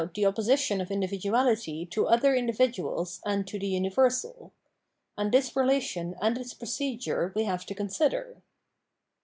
Evil and Forgiveness 660 the opposition of individuality to other individuals and to the universal. And this relation and its proce dure we have to consider.